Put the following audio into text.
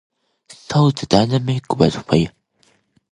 So the dynamic was fine.